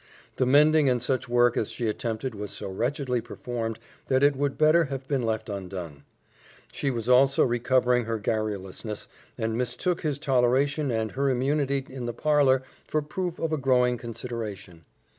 The mending and such work as she attempted was so wretchedly performed that it would better have been left undone. She was also recovering her garrulousness, and mistook his toleration and her immunity in the parlor for proof of a growing consideration.